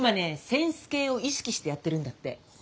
センス系を意識してやってるんだって。